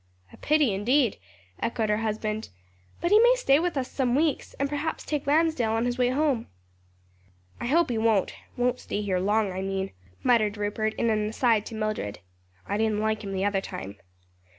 "A pity indeed!" echoed her husband. "But he may stay with us some weeks, and perhaps take Lansdale on his way home." "I hope he won't; won't stay here long, I mean," muttered Rupert in an aside to Mildred. "I didn't like him the other time."